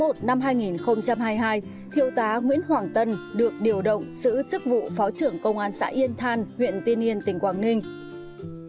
tháng một năm hai nghìn hai mươi hai thiêu tá nguyễn hoàng tân được điều động giữ chức vụ phó trưởng công an xã yên thàn huyện tiên yên tỉnh quảng ninh